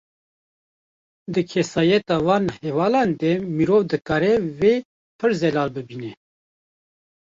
Di kesayeta van hevalan de mirov dikarê vê, pir zelal bibîne